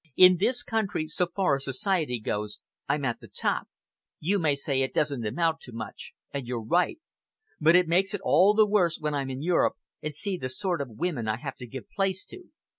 In this country, so far as society goes, I'm at the top. You may say it doesn't amount to much, and you're right. But it makes it all the worse when I'm in Europe, and see the sort of women I have to give place to.